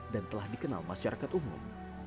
dan telah dikenal masyarakat umum